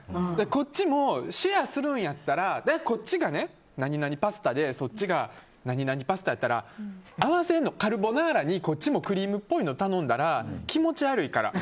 こっちもシェアするんやったらこっちが何々パスタでそっちが何々パスタやったら合わせるのカルボナーラにクリームっぽいの頼んだら気持ち悪いから。